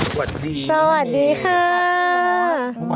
สวัสดีค่ะ